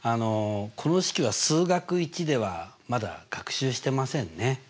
この式は数学Ⅰではまだ学習してませんね。